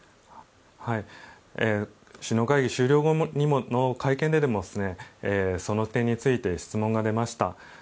首脳会議終了後の会見でもその点について質問が出ました。